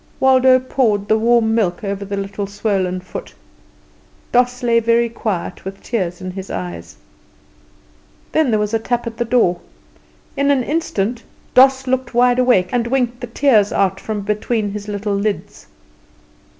Waldo poured the warm milk over the little swollen foot; Doss lay very quiet, with tears in his eyes. Then there was a tap at the door. In an instant Doss looked wide awake, and winked the tears out from between his little lids.